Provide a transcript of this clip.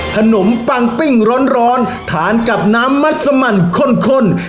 ขนมปังปิ้งร้อนร้อนทานกับน้ำมัสมันค่นค่น